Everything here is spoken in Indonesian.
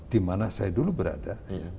di mana saya dulu berada